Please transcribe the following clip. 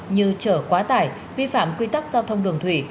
như chở quá tải vi phạm quy tắc giao thông đường thủy